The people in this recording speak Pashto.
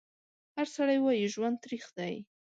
هر سړی وایي ژوند تریخ دی